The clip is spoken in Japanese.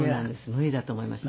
無理だと思いました。